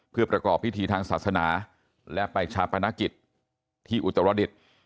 เพื่อประกอบพิธีทางศาสนาและไปชาปนกิจที่อุตรดิษฐ์